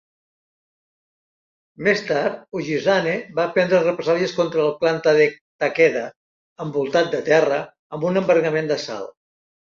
Més tard, Ujizane va prendre represàlies contra el clan Takeda (envoltat de terra) amb un embargament de sal.